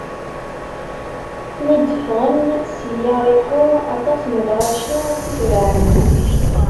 Mi d-ffɣen si Yariḥu, aṭas n lɣaci i t-itebɛen.